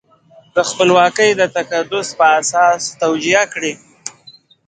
د خپلواکۍ د تقدس په اساس توجیه کړي.